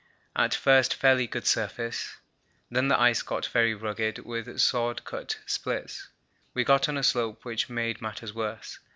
at first fairly good surface; then the ice got very rugged with sword cut splits. We got on a slope which made matters worse.